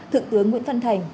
thượng tướng nguyễn phân thành